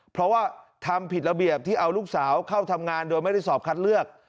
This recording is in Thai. เพราะว่าทำผิดระเบียบที่เอาลูกสาวเข้าทำงานโดยไม่ได้สอบคัดเลือก